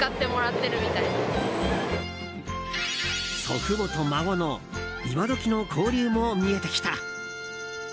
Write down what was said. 祖父母と孫のイマドキの交流も見えてきた。